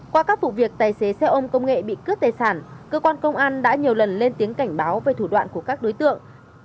qua các vụ việc tài xế xe ôm công nghệ bị cướp tài sản cơ quan công an đã nhiều lần lên tiếng cảnh báo về thủ đoạn của các đối tượng